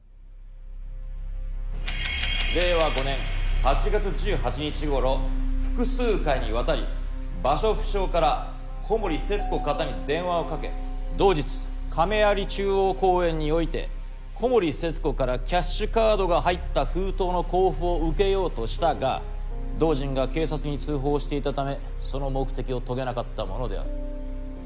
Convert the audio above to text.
令和５年８月１８日頃複数回にわたり場所不詳から小森節子方に電話をかけ同日亀有中央公園において小森節子からキャッシュカードが入った封筒の交付を受けようとしたが同人が警察に通報していたためその目的を遂げなかったものである。